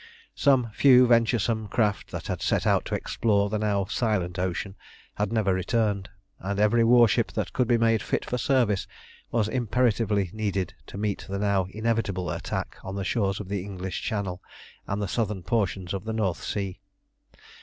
Some few venturesome craft that had set out to explore the now silent ocean had never returned, and every warship that could be made fit for service was imperatively needed to meet the now inevitable attack on the shores of the English Channel and the southern portions of the North Sea.